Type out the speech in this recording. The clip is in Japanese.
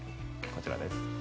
こちらです。